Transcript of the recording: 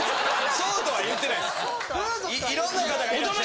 そうとは言ってないっす。